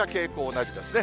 同じですね。